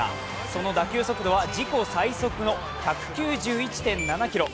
その打球速度は自己最速の１９１．７キロ。